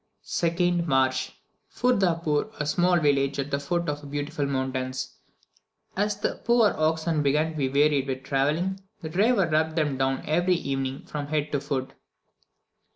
2nd March. Furdapoor, a small village at the foot of beautiful mountains. As the poor oxen began to be wearied with travelling, the driver rubbed them down every evening from head to foot.